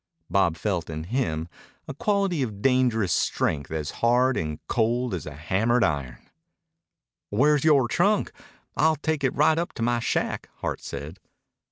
Bob felt in him a quality of dangerous strength as hard and cold as hammered iron. "Where's yore trunk? I'll take it right up to my shack," Hart said.